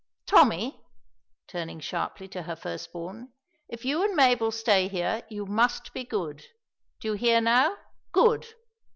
Tommy," turning sharply to her first born. "If you and Mabel stay here you must be good. Do you hear now, good!